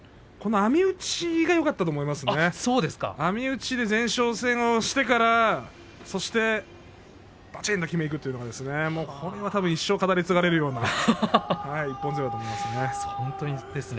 網打ちで前哨戦をしてからばちんときめにいくというのがこれは一生、語り継がれるような一本背負いだと思いますね。